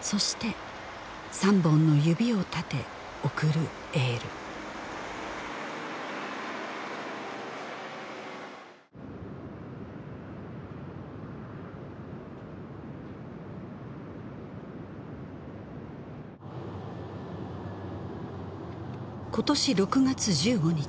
そして３本の指を立て送るエール今年６月１５日